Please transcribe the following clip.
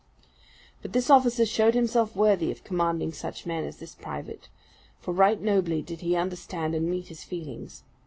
But this officer showed himself worthy of commanding such men as this private; for right nobly did he understand and meet his feelings.